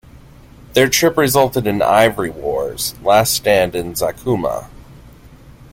Their trip resulted in Ivory Wars, Last Stand in Zakouma.